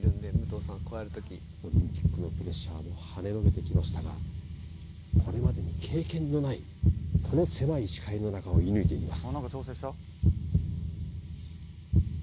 オリンピックのプレッシャーもはねのけてきましたが、これまでに経験のない、この狭い視界の中を射ぬいていきます。